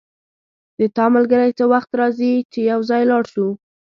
د تا ملګری څه وخت راځي چی یو ځای لاړ شو